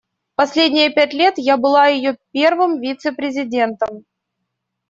Последние пять лет я была её первым вице-президентом.